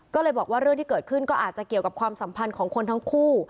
ก็เลยบอกว่าเรื่องที่เกิดขึ้นก็อาจจะเกี่ยวกับความสัมพันธ์ของคนทั้งคู่